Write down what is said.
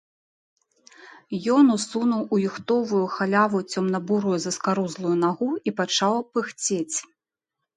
Ён усунуў у юхтовую халяву цёмна-бурую заскарузлую нагу і пачаў пыхцець.